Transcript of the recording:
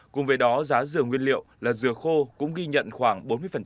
cùng với đó giá rửa nguyên liệu là rửa khô cũng ghi nhận khoảng bốn mươi